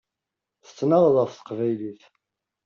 Tettnaɣeḍ ɣef teqbaylit.